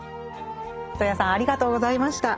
戸谷さんありがとうございました。